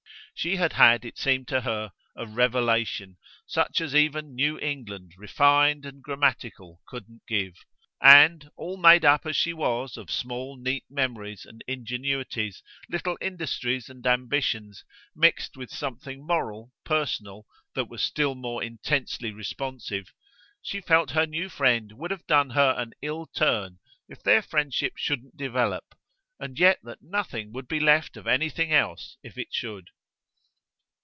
She had had, it seemed to her, a revelation such as even New England refined and grammatical couldn't give; and, all made up as she was of small neat memories and ingenuities, little industries and ambitions, mixed with something moral, personal, that was still more intensely responsive, she felt her new friend would have done her an ill turn if their friendship shouldn't develop, and yet that nothing would be left of anything else if it should.